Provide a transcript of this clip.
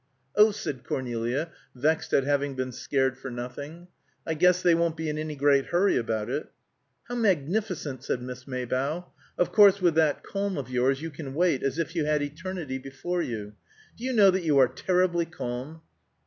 "Oh!" said Cornelia, vexed at having been scared for nothing. "I guess they won't be in any great hurry about it." "How magnificent!" said Miss Maybough. "Of course, with that calm of yours, you can wait, as if you had eternity before you. Do you know that you are terribly calm?"